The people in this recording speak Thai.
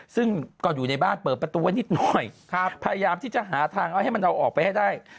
ซึ่งก็อยู่ในบ้านเปิดประตูไว้นิดหน่อยพยายามที่จะหาทางเอาให้มันเอาออกไปให้ได้